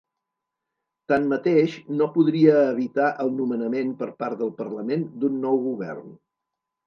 Tanmateix, no podria evitar el nomenament per part del parlament d’un nou govern.